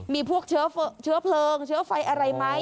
มีพวกเชื้อเพลิงเชื้อไฟอะไรไหม